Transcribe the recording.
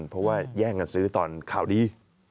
เพราะว่าแย่งกันซื้อตอนข่าวดี